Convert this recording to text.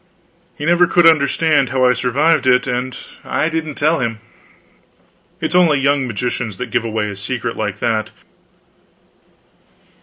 He never could understand how I survived it, and I didn't tell him. It is only young magicians that give away a secret like that.